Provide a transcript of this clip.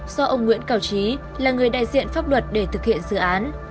do ông nguyễn cao trí là người đại diện pháp luật để thực hiện dự án